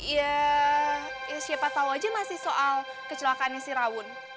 ya siapa tau aja masih soal kecelakaannya si rawun